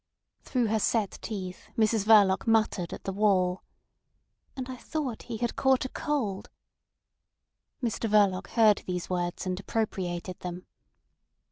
... Through her set teeth Mrs Verloc muttered at the wall: "And I thought he had caught a cold." Mr Verloc heard these words and appropriated them.